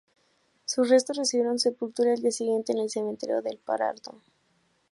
Sus restos recibieron sepultura el día siguiente en el cementerio del Pardo.